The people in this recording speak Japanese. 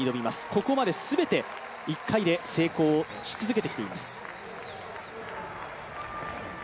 ここまですべて１回で成功し続けてきています。